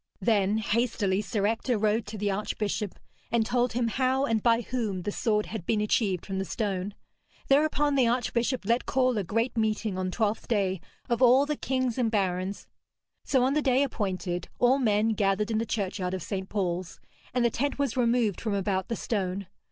Then hastily Sir Ector rode to the archbishop, and told him how and by whom the sword had been achieved from the stone. Thereupon the archbishop let call a great meeting on Twelfth Day of all the kings and barons. So on the day appointed, all men gathered in the churchyard of St. Paul's, and the tent was removed from about the stone.